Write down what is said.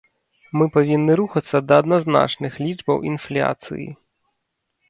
Мы павінны рухацца да адназначных лічбаў інфляцыі.